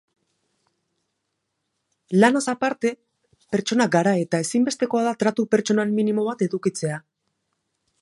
Lanaz aparte, pertsonak gara eta ezinbestekoa da tratu pertsonal minimo bat edukitzea.